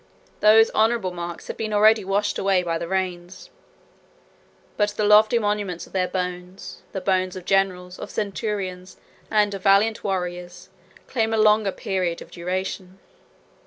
Those honorable marks have been already washed away by the rains; but the lofty monuments of their bones, the bones of generals, of centurions, and of valiant warriors, claim a longer period of duration.